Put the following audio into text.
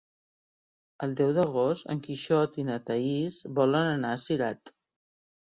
El deu d'agost en Quixot i na Thaís volen anar a Cirat.